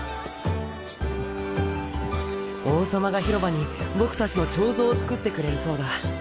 王様が広場に僕たちの彫像を作ってくれるそうだ。